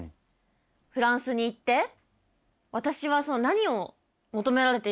フランスに行って私は何を求められているんだろうって。